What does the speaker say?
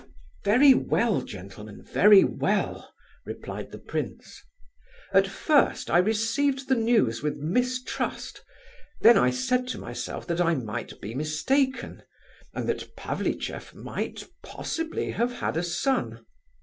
"Very well, gentlemen—very well," replied the prince. "At first I received the news with mistrust, then I said to myself that I might be mistaken, and that Pavlicheff might possibly have had a son.